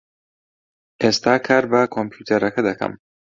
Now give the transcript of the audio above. ئێستا کار بە کۆمپیوتەرەکە دەکەم.